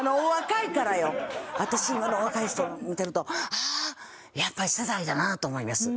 私今の若い人見てるとああやっぱり世代だなと思います。